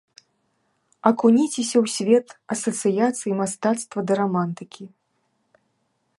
Акуніцеся ў свет асацыяцый, мастацтва ды рамантыкі!